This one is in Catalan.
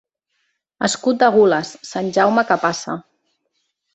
Escut de gules, Sant Jaume que passa.